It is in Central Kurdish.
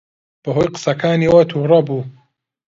بەهۆی قسەکانیەوە تووڕە بوو.